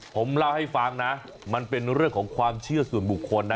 ผมเล่าให้ฟังนะมันเป็นเรื่องของความเชื่อส่วนบุคคลนะ